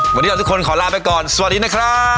วันนี้เราทุกคนขอลาไปก่อนสวัสดีนะครับ